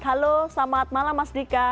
halo selamat malam mas dika